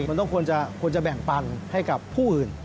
มันต้องควรจะแบ่งปันให้กับผู้อื่น